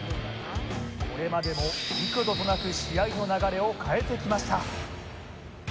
これまでも幾度となく試合の流れを変えてきました